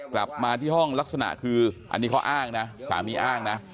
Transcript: กลับมาที่ห้องลักษณะคืออันนี้เขาอ้างนะสามีอ้างนะ